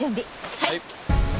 はい！